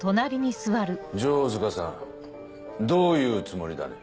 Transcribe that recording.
城塚さんどういうつもりだね？